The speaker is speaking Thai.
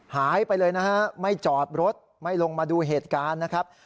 หายไปเลยนะฮะไม่จอดรถไม่ลงมาดูเหตุการณ์นะครับ